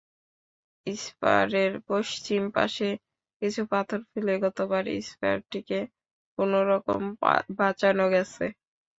স্পারের পশ্চিম পাশে কিছু পাথর ফেলে গতবার স্পারটিকে কোনো রকমে বাঁচানো গেছে।